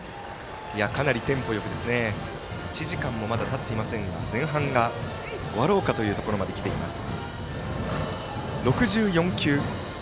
かなりテンポよく、１時間もまだ、たっていませんが前半が終わろうかというところまできています。